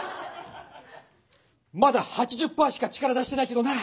まだ８０パーしか力出してないけどね！